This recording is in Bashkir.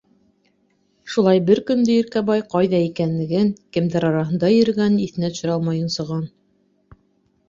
Шулай бер көндө Иркәбай ҡайҙа икәнлеген, кемдәр араһында йөрөгәнен иҫенә төшөрә алмай йонсоған.